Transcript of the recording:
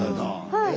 はい。